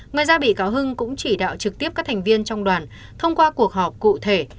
ngoài ra bị cáo hưng cũng chỉ đạo trực tiếp các thành viên trong đoàn thông qua cuộc họp cụ thể